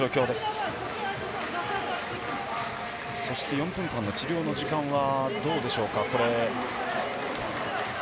４分間の治療の時間がどうでしょうか？